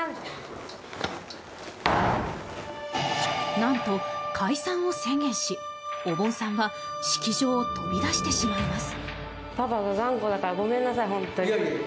なんと解散を宣言し、おぼんさんは式場を飛び出してしまいます。